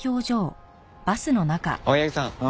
青柳さん